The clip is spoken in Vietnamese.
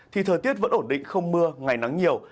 thì thời tiết vẫn ổn định không mưa ngày nắng nhiều